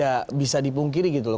ada yang membuat bungkiri gitu loh